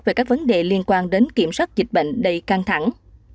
về các vấn đề liên quan đến kiểm soát dịch bệnh đầy căng thẳng